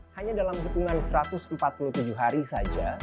hanya dalam hitungan satu ratus empat puluh tujuh hari saja